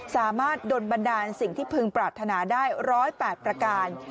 สามารถดนบันดาลสิ่งที่พึงปรารถนาได้๑๐๘ประการ